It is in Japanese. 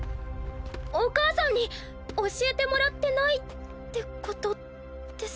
お母さんに教えてもらってないってことですか？